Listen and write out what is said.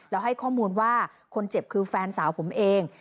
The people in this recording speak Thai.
แล้วให้ข้อมูลว่าคนเจ็บคือแฟนสาวผมเอง